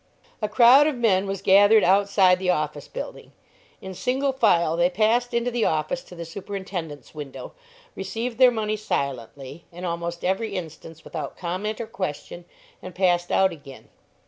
A crowd of men was gathered outside the office building. In single file they passed into the office to the superintendent's window, received their money silently, in almost every instance without comment or question, and passed out again.